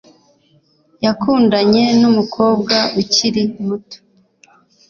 Yakundanye numukobwa ukiri muto.